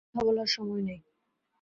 কথা বলার সময় নাই।